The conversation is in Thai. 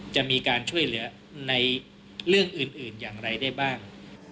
จะมีการช่วยเหลือในเรื่องอื่นอย่างไรได้บ้าง